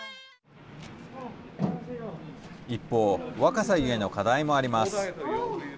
一方若さゆえの課題もあります。